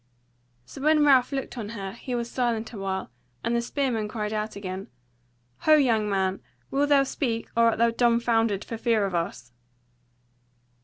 So when Ralph looked on her, he was silent a while; and the spearman cried out again: "Ho, young man, wilt thou speak, or art thou dumb foundered for fear of us?"